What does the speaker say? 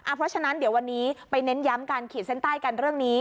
เพราะฉะนั้นเดี๋ยววันนี้ไปเน้นย้ำการขีดเส้นใต้กันเรื่องนี้